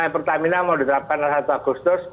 pertamina mau diterapkan pada satu agustus